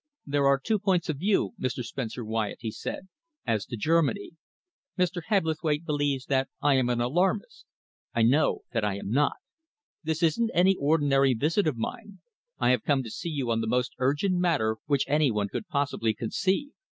"There are two points of view, Mr. Spencer Wyatt," he said, "as to Germany. Mr. Hebblethwaite believes that I am an alarmist. I know that I am not. This isn't any ordinary visit of mine. I have come to see you on the most urgent matter which any one could possibly conceive.